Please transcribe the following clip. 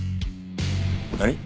何！？